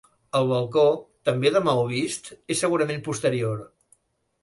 El balcó, també de maó vist, és segurament posterior.